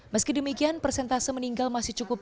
meski demikian persentase meninggal masih cukup